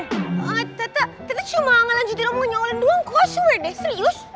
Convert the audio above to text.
eh tata tata cuma ngelanjutin omongnya orang doang kok asuh ya deh serius